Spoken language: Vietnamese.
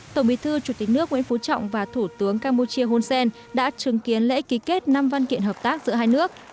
tổng bí thư chủ tịch nước nguyễn phú trọng và thủ tướng campuchia hun sen đã chứng kiến lễ ký kết năm văn kiện hợp tác giữa hai nước